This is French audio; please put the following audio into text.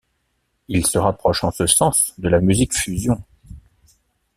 Ils se rapprochent en ce sens de la musique fusion.